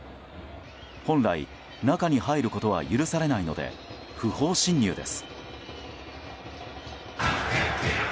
本来中に入ることは許されないので不法侵入です。